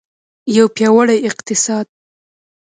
یو پیاوړی اقتصاد.